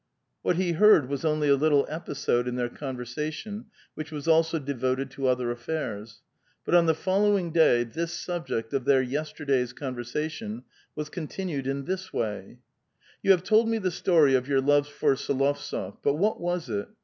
What he heard was only a little episode in their conversa tion, which was also devoted to other affairs ; but on the fol lowing day this subject of their yestei daj's conversation was continued in this wav :—*'" You have told me the story of your love for S61ovtsof. But what was it?